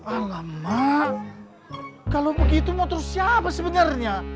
alamak kalau begitu motor siapa sebenarnya